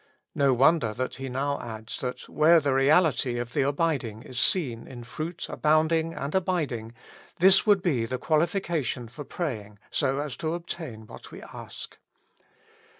No wonder that He now adds, that where the reaUty of the abiding is seen in fruit abounding and abiding, this would ba the qualification for praying so as to obtain what we ask.